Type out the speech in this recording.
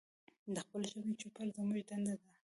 د خپلې ژبې چوپړ زمونږ دنده ده.